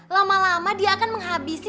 lama lama dia akan menghabisi